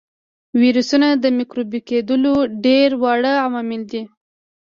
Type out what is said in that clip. ویروسونه د مکروبي کېدلو ډېر واړه عوامل دي.